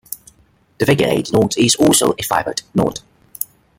The figure-eight knot is also a fibered knot.